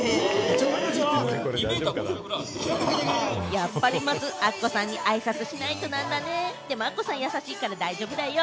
やっぱりまず、アッコさんにあいさつしないとなんだね、でも、アッコさん優しいから大丈夫だよ。